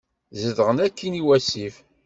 Zedɣen akkin i wasif.